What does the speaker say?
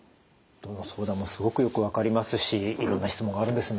どの相談もすごくよく分かりますしいろんな質問があるんですね。